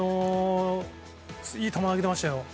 いい球を投げてましたよ。